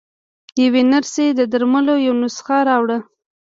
يوې نرسې د درملو يوه نسخه راوړه.